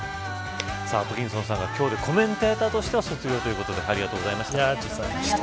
アトキンソンさんが今日でコメンテーターとしては卒業ということでありがとうございました。